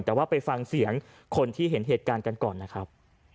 แต่ว่าไปฟังเสียงคนที่เห็นเหตุการณ์กันก่อนนะครับ